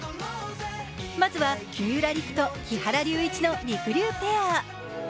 まずは三浦璃来と木原龍一のりくりゅうペア。